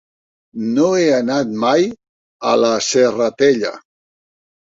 No he anat mai a la Serratella.